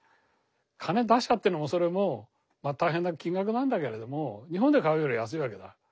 金出しゃっていうのもそれも大変な金額なんだけれども日本で買うより安いわけだ。